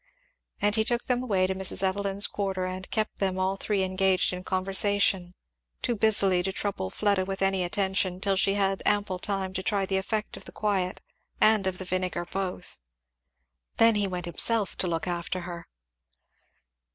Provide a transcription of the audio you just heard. And he took them away to Mrs. Evelyn's quarter, and kept them all three engaged in conversation, too busily to trouble Fleda with any attention; till she had had ample time to try the effect of the quiet and of the vinegar both. Then he went himself to look after her.